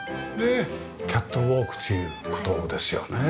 キャットウォークっていう事ですよね。